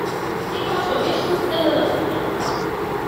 Ik hâld fan bisten en de natuer.